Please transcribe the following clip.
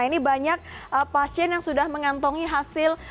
ini banyak pasien yang sudah mengantongi hasil covid sembilan belas